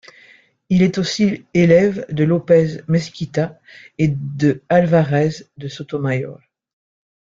Il est aussi élève de López Mezquita et de Álvarez de Sotomayor.